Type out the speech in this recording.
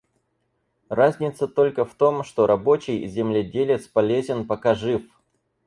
Разница только в том, что рабочий, земледелец полезен, пока жив.